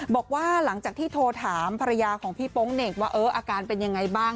บอกว่าหลังจากที่โทรถามภรรยาของพี่โป๊งเหน่งว่าอาการเป็นยังไงบ้าง